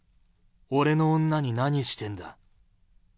俺の女に何してんだ。